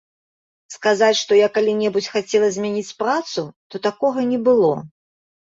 Сказаць, што я калі-небудзь хацела змяніць працу, то такога не было.